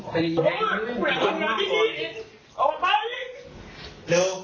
สิ่งในใส่โอเค